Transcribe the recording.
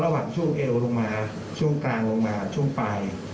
ระหว่างช่วงเอลลงมาช่วงกลางลงมาช่วงปลาย